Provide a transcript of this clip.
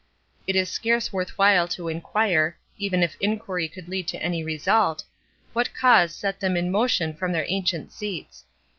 It is scarce worth while to inquire—even if inquiry could lead to any result—what cause set them in motion from their ancient seats.